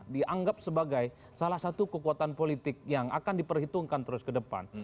dianggap sebagai salah satu kekuatan politik yang akan diperhitungkan terus ke depan